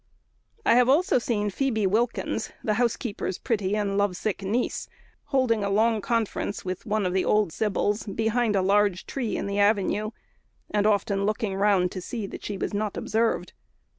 I have seen also Phoebe Wilkins, the housekeeper's pretty and love sick niece, holding a long conference with one of these old sibyls behind a large tree in the avenue, and often looking round to see that she was not observed.